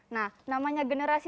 nah namanya generasi